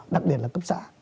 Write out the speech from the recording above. đặc biệt là cấp xã